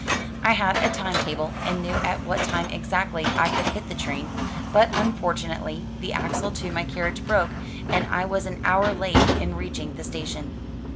I had a time table and knew at what time exactly I could hit the train, but unfortunately the axle to my carriage broke and I was an hour late in reaching the station.